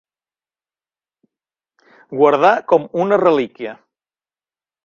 Guardar com una relíquia.